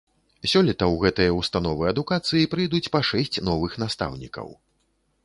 Сёлета ў гэтыя ўстановы адукацыі прыйдуць па шэсць новых настаўнікаў.